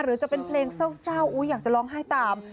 หรือจะเป็นเพลงเศร้าอยากจะร้องไห้ตาม